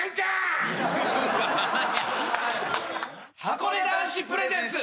はこね男子プレゼンツ